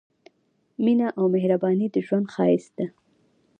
مينه او مهرباني د ژوند ښايست دی